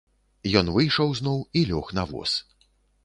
Ён выйшаў зноў і лёг на воз.